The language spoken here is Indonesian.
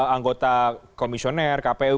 anggota komisioner kpu